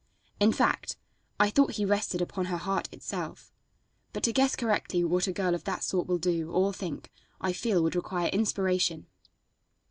In fact, I thought he rested upon her heart itself. But to guess correctly what a girl of that sort will do, or think, or feel would require inspiration.